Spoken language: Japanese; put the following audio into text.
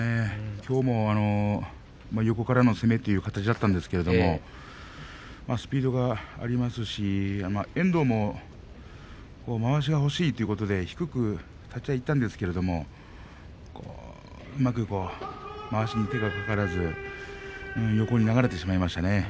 きょうも横からの攻めという形だったんですけどスピードがありますし遠藤も、まわしが欲しいということで低く立ち合いいったんですけどうまくまわしに手が掛からず横に流れてしまいましたね。